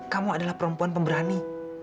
kamu adalah perempuan pemberani